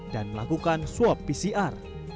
dan melakukan swab pcr